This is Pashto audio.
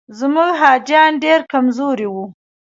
زموږ حاجیان ډېر کمزوري وو.